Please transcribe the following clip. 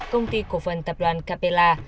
công ty cổ phần tập đoàn capella